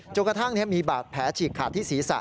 กระทั่งมีบาดแผลฉีกขาดที่ศีรษะ